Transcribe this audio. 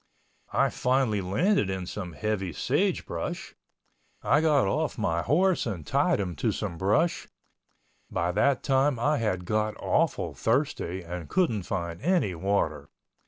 I finally landed in some heavy sage brush, I got off my horse and tied him to some brush, by that time I had got awful thirsty and couldn't find any water.